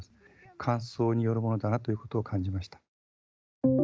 乾燥によるものだなということを感じました。